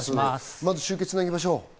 まず中継をつなぎましょう。